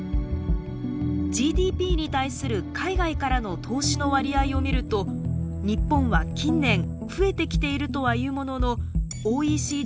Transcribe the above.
ＧＤＰに対する海外からの投資の割合を見ると日本は近年増えてきているとはいうもののＯＥＣＤ加盟国の中でまだ最下位。